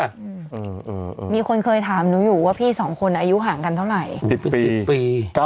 เออมีคนเคยถามหนูอยู่ว่าพี่สองคนอายุห่างกันเท่าไหร่